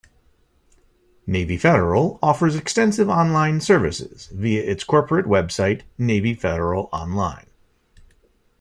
Navy Federal offers extensive online services via its corporate website, Navy Federal Online.